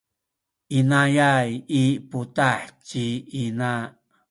inayay i putah ci ina.